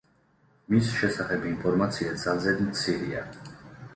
მის შესახებ ინფორმაცია ძალზედ მცირეა.